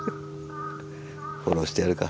フォローしてやるか。